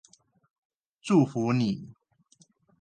祝福你